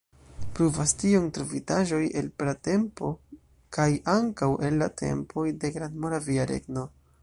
Pruvas tion trovitaĵoj el pratempo kaj ankaŭ el la tempoj de Grandmoravia regno.